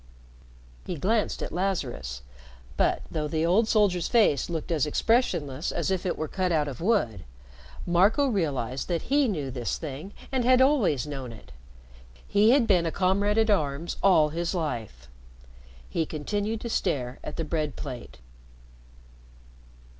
He glanced at Lazarus, but, though the old soldier's face looked as expressionless as if it were cut out of wood, Marco realized that he knew this thing and had always known it. He had been a comrade at arms all his life. He continued to stare at the bread plate.